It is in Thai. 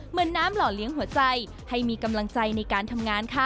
เหมือนน้ำหล่อเลี้ยงหัวใจให้มีกำลังใจในการทำงานค่ะ